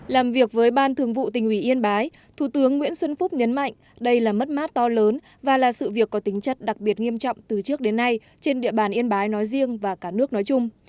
làm việc với ban thường vụ tỉnh ủy yên bái thủ tướng nguyễn xuân phúc nhấn mạnh đây là mất mát to lớn và là sự việc có tính chất đặc biệt nghiêm trọng từ trước đến nay trên địa bàn yên bái nói riêng và cả nước nói chung